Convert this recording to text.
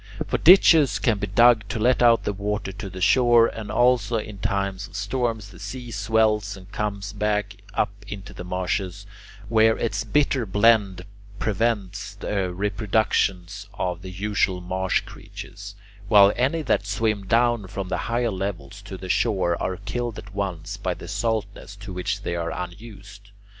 For ditches can be dug to let out the water to the shore, and also in times of storms the sea swells and comes backing up into the marshes, where its bitter blend prevents the reproductions of the usual marsh creatures, while any that swim down from the higher levels to the shore are killed at once by the saltness to which they are unused.